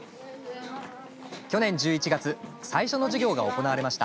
去年１１月最初の授業が行われました。